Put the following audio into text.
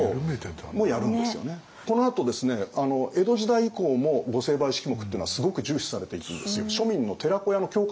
このあとですね江戸時代以降も御成敗式目ってのはすごく重視されていくんですよ。